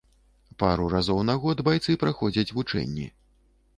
Пару разоў на год байцы праходзяць вучэнні.